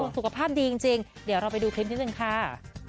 สุขภาพดีจริงเดี๋ยวเราไปดูคลิปนิดนึงค่ะ